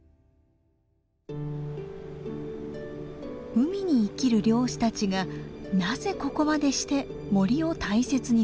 海に生きる漁師たちがなぜここまでして森を大切にするのか。